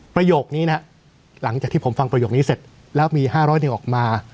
ประโยคนี้นะหลังจากที่ผมฟังประโยคนี้เสร็จแล้วมี๕๐๐เดียวออกมา